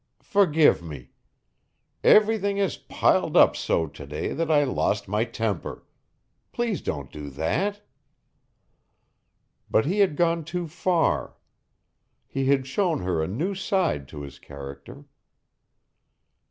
Forgive me. Everything has piled up so to day that I lost my temper. Please don't do that!" But he had gone too far. He had shown her a new side to his character.